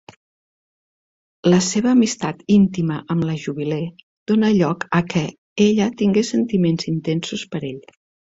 La seva amistat íntima amb la Jubilee donar lloc a què ella tingués sentiments intensos per ell.